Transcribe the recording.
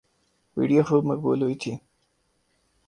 video خوب مقبول ہوئی تھی